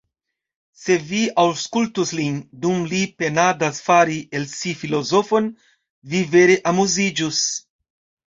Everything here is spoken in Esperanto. Se vi aŭskultus lin, dum li penadas fari el si filozofon, vi vere amuziĝus.